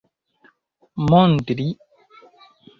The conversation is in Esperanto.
montri